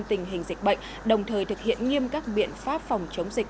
tình hình dịch bệnh đồng thời thực hiện nghiêm các biện pháp phòng chống dịch